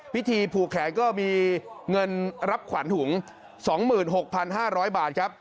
พิธีผูกแขนก็มีเงินรับขวัญถุง๒๖๕๐๐บาทครับ